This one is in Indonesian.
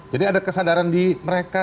jadi ada kesadaran di mereka